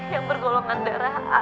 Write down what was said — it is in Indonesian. yang bergolongan darah a